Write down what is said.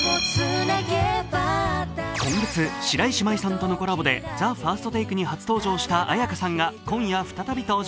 今月、白石麻衣さんとのコラボで「ＴＨＥＦＩＲＳＴＴＡＫＥ」に初登場した絢香さんが今夜再び登場。